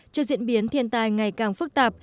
trước diễn biến thiên tài ngày càng phức tạp